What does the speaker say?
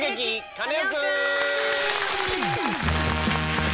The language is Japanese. カネオくん」！